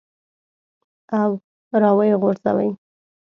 او راویې غورځوې.